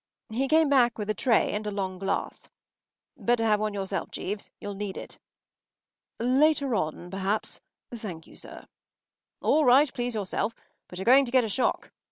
” He came back with a tray and a long glass. “Better have one yourself, Jeeves. You’ll need it.” “Later on, perhaps, thank you, sir.” “All right. Please yourself. But you’re going to get a shock.